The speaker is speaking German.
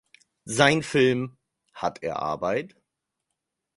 Sein Film "Hat er Arbeit?